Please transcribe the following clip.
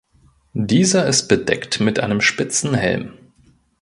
Dieser ist bedeckt mit einem spitzen Helm.